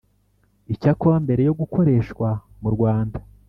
Icyakora mbere yo gukoreshwa mu Rwanda